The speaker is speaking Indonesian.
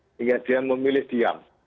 sehingga dia memilih diam